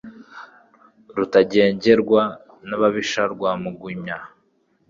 Rutagengerwa n'ababisha rwa Mugumya